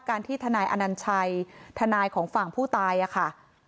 ที่ทนายอนัญชัยทนายของฝั่งผู้ตายค่ะ